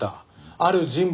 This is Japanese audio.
ある人物？